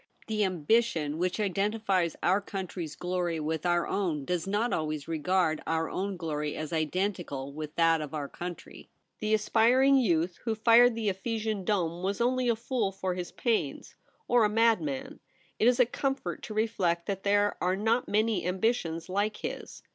The ambition which identifies our country's glory with our own does not always regard our own glory as identical with that of our country. The aspiring youth who fired the Ephesian dome was only a fool for his pains, 38 THE REBEL ROSE. or a madman ; it is a comfort to reflect that there are not many ambitions like his.